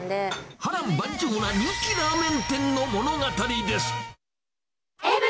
波乱万丈の人気ラーメン店の物語です。